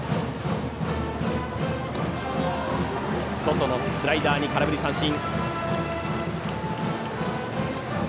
外のスライダーに空振り三振。